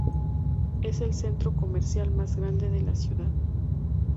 Es el centro comercial más grande de la ciudad.